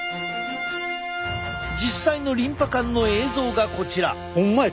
実際のリンパ管の映像がこちら。